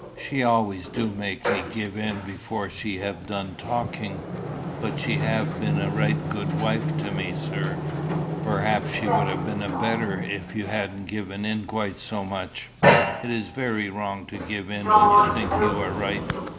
She always do make me give in before she have done talking. But she have been a right good wife to me, sir." "Perhaps she would have been a better if you hadn't given in quite so much. It is very wrong to give in when you think you are right."